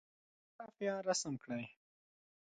یوه رافعه رسم کړئ.